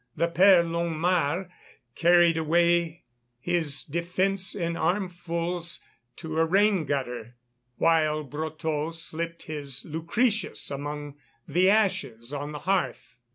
The Père Longuemare carried away his defence in armfuls to a rain gutter, while Brotteaux slipped his Lucretius among the ashes on the hearth.